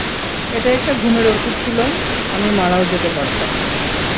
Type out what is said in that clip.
এটা একটা ঘুমের ঔষধ ছিল, আমি মারাও যেতে পারতাম।